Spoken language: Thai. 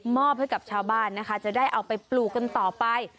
อบให้กับชาวบ้านนะคะจะได้เอาไปปลูกกันต่อไป